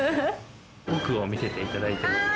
奥を見せていただいても？